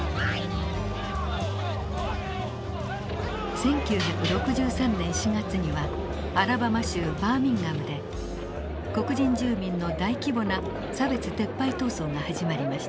１９６３年４月にはアラバマ州バーミンガムで黒人住民の大規模な差別撤廃闘争が始まりました。